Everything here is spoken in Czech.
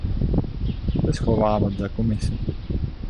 Proč se schovávat za Komisi?